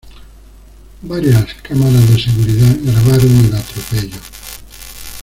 Varias cámaras de seguridad grabaron el atropello.